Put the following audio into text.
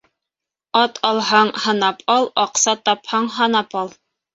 Ат алһаң, һынап ал; аҡса тапһаң, һанап ал.